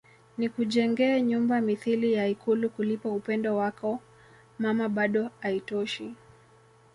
Nikujengee nyumba mithili ya ikulu kulipa upendo wako Mama bado aitoshi